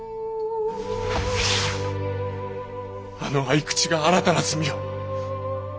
あの匕首が新たな罪を。